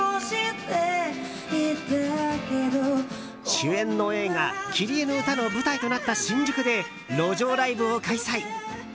主演の映画「キリエのうた」の舞台となった新宿で路上ライブを開催。